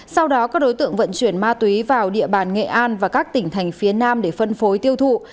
sau đó các đối tượng vận chuyển ma túy vào địa bàn nghệ an và các tỉnh thành phía nam để phân phối tiêu thụ